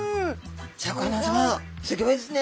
シャーク香音さますギョいですね。